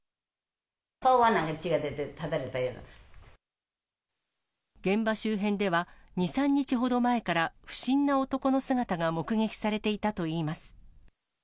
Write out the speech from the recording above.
顔は血が出て、ただれたよう現場周辺では、２、３日ほど前から不審な男の姿が目撃されていたといいます。